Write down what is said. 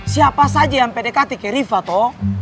siapa saja yang berdekati sama rifa toh